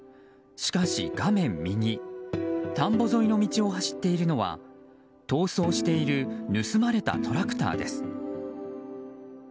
しかし画面右田んぼ沿いの道を走っているのは逃走している盗まれたトラクターです。